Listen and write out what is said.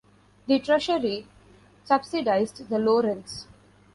The treasury subsidized the low rents.